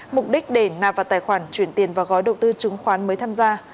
mục đích để nạp vào tài khoản chuyển tiền và gói đầu tư trường khoán mới tham gia